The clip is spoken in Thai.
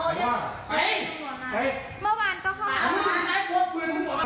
หนาวโทรเรียกตำรวจมาโทรตำรวจมา